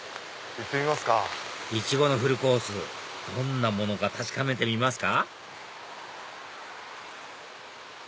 いちごのフルコースどんなものか確かめてみますか？